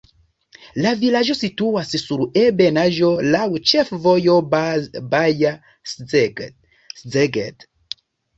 La vilaĝo situas sur ebenaĵo, laŭ ĉefvojo Baja-Szeged.